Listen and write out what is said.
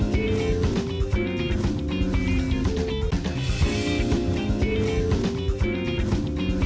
tim liputan klasik indonesia